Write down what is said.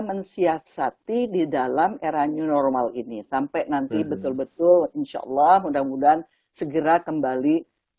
mensiasati di dalam era new normal ini sampai nanti betul betul insya allah mudah mudahan segera kembali